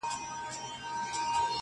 • یاغي بنده یم د خلوت زولنې چېرته منم -